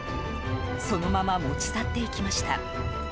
そのまま持ち去っていきました。